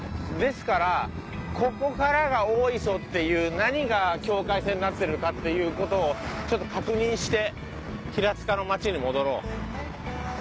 ですからここからが大磯っていう何が境界線になってるかっていう事をちょっと確認して平塚の町に戻ろう。